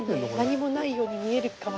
何もないように見えるかもしれない。